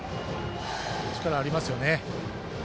力ありますよね。